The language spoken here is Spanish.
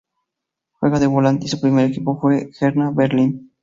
Juega de volante y su primer equipo fue Hertha Berlín.